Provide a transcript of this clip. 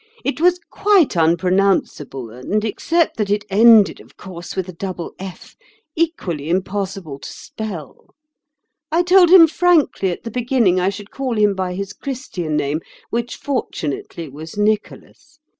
It was quite unpronounceable and, except that it ended, of course, with a double f, equally impossible to spell. I told him frankly at the beginning I should call him by his Christian name, which fortunately was Nicholas.